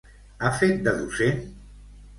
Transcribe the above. Ha fet de docent?